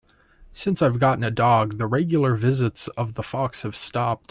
Since I've gotten a dog, the regular visits of the fox have stopped.